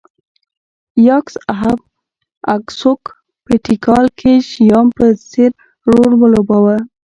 یاکس اهب اکسوک په تیکال کې شیام په څېر رول ولوباوه